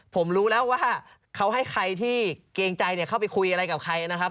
ผมรู้แล้วว่าเขาให้ใครที่เกรงใจเข้าไปคุยอะไรกับใครนะครับ